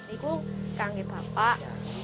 ini aku kangen bapak